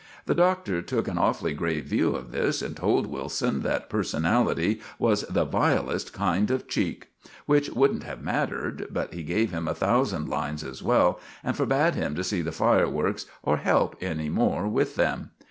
The Doctor took an awfully grave view of this, and told Wilson that personality was the vilest kind of cheek. Which wouldn't have mattered, but he gave him a thousand lines as well, and forbade him to see the fireworks or help any more with them.